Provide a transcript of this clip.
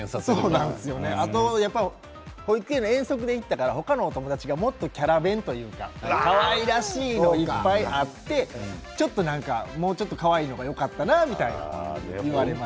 保育園の遠足で行ったから他のお友達がもっとキャラ弁とかかわいらしいのがいっぱいあって、ちょっともうちょっと、かわいいのがよかったなみたいに言われました。